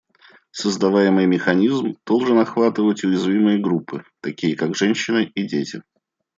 Создаваемый механизм должен охватывать уязвимые группы, такие как женщины и дети.